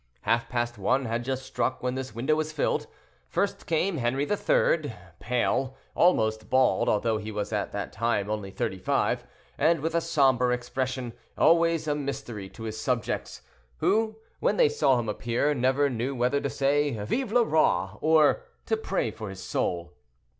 Half past one had just struck when this window was filled. First came Henri III., pale, almost bald, although he was at that time only thirty five, and with a somber expression, always a mystery to his subjects, who, when they saw him appear, never knew whether to say "Vive le Roi!" or to pray for his soul.